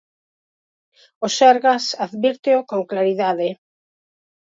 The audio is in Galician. O Sergas advírteo con claridade.